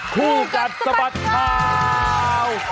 คู่กัดสบัดข่าวคู่กัดสบัดข่าว